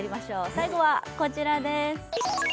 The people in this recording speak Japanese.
最後はこちらです。